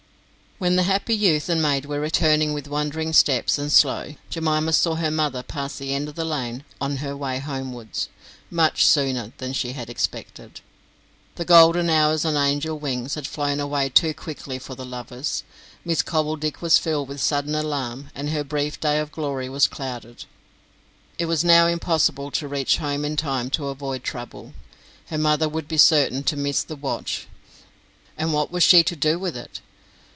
When the happy youth and maid were returning with wandering steps and slow, Jemima saw her mother pass the end of the lane on her way homewards, much sooner than she had expected. The golden hours on angel wings had flown away too quickly for the lovers. Miss Cobbledick was filled with sudden alarm, and her brief day of glory was clouded. It was now impossible to reach home in time to avoid trouble. Her mother would be certain to miss the watch, and what was she to do with it?